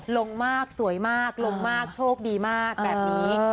ลงมากสวยมากลงมากโชคดีมากแบบนี้